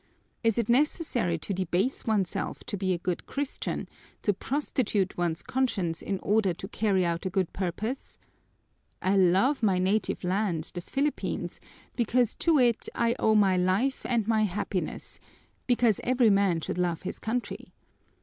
Is it necessary to debase oneself to be a good Christian, to prostitute one's conscience in order to carry out a good purpose? I love my native land, the Philippines, because to it I owe my life and my happiness, because every man should love his country.